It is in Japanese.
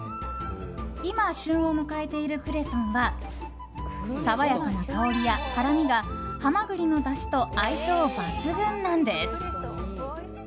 今、旬を迎えているクレソンは爽やかな香りや辛みがハマグリのだしと相性抜群なんです。